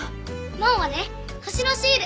真央はね星のシール。